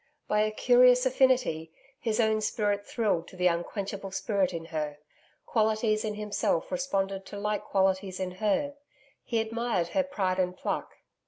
By a curious affinity, his own spirit thrilled to the unquenchable spirit in her. Qualities in himself responded to like qualities in her. He admired her pride and pluck.